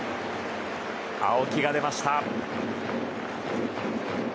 青木が出ました。